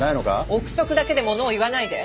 臆測だけで物を言わないで。